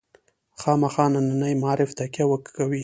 خامخا ننني معارف تکیه وکوي.